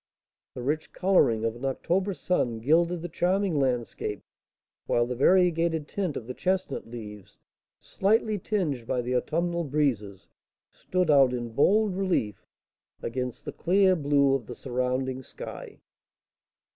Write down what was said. The rich colouring of an October sun gilded the charming landscape, while the variegated tint of the chestnut leaves, slightly tinged by the autumnal breezes, stood out in bold relief against the clear blue of the surrounding sky.